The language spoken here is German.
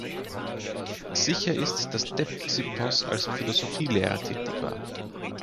Sicher ist, dass Dexippos als Philosophielehrer tätig war.